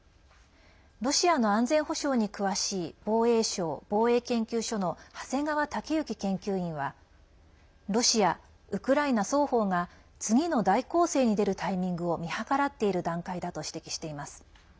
ロシアの安全保障に詳しい防衛省防衛研究所の長谷川雄之研究員はロシア、ウクライナ双方が次の大攻勢に出るタイミングを見計らっている段階だと指摘しています。